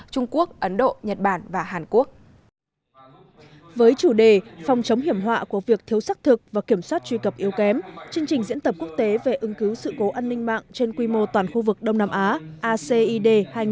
chương trình diễn tập quốc tế về ứng cứu sự cố an ninh mạng trên quy mô toàn khu vực đông nam á acid hai nghìn một mươi bảy